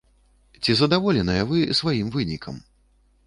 Ці задаволеныя вы сваім вынікам?